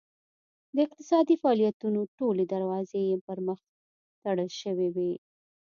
د اقتصادي فعالیتونو ټولې دروازې یې پرمخ تړل شوې وې.